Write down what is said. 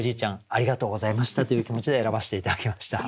ありがとうございました」という気持ちで選ばせて頂きました。